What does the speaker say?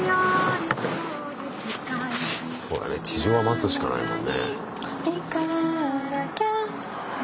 そうだね地上は待つしかないもんね。